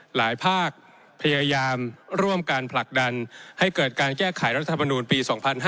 ภาคพยายามร่วมการผลักดันให้เกิดการแก้ไขรัฐธรรมนูลปี๒๕๕๙